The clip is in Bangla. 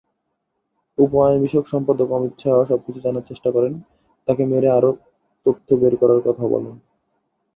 উপ-আইন বিষয়ক সম্পাদক অমিত সাহা সবকিছু জানার চেষ্টা করেন, তাকে মেরে আরও তথ্য বেড় করার কথা বলেন।